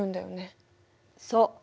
そう。